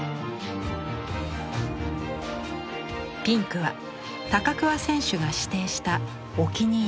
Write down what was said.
ピンクは高桑選手が指定したお気に入りの色。